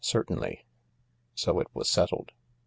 Certainly." So it was settled.